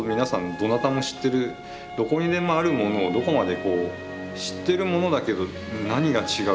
どなたも知ってるどこにでもあるものをどこまでこう知ってるものだけど何が違う？